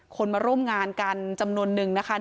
มาร่วมงานกันจำนวนนึงนะคะ